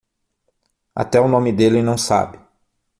Até o nome dele não sabe